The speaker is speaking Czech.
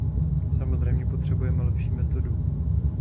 Samozřejmě potřebujeme lepší metodu.